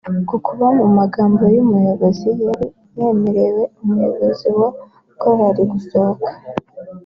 Ku kuba mu magambo uyu muyobozi yari yemereye umuyobozi wa korali gusohoka